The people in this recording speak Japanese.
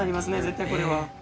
絶対これは。